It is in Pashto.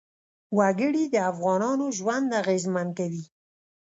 وګړي د افغانانو ژوند اغېزمن کوي.